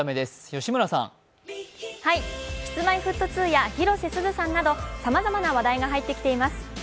Ｋｉｓ−Ｍｙ−Ｆｔ２や広瀬すずさんなどさまざまな話題が入ってきています。